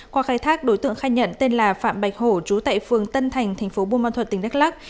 qua khai thác đối tượng khai nhận tên là phạm bạch hổ trú tại phường tân thành tp buôn ban thuật tỉnh đắk lắc